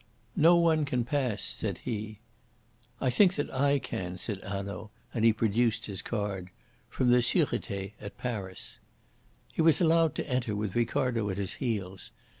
"No one can pass," said he. "I think that I can," said Hanaud, and he produced his card. "From the Surete at Paris." He was allowed to enter, with Ricardo at his heels.